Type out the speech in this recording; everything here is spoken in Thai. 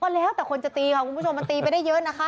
ก็แล้วแต่คนแต่คงจะตีนี่ค่ะคุณผู้ชมมันตีไปได้เยอะนะค่ะ